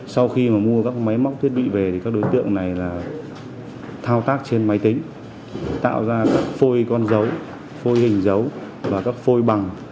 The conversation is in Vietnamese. sau khi mà mua các máy móc thiết bị về thì các đối tượng này là thao tác trên máy tính tạo ra phôi con dấu phôi hình dấu và các phôi bằng